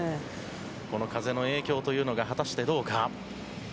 この風の影響というのが果たして、どうか。